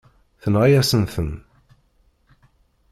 Tenɣa-yasen-ten.